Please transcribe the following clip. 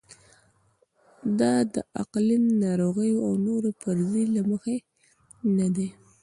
دا د اقلیم، ناروغیو او نورو فرضیې له مخې نه ده.